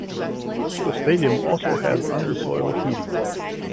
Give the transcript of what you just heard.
The stadium also has under-soil heating.